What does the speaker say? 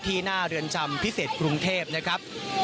หน้าเรือนจำพิเศษกรุงเทพนะครับ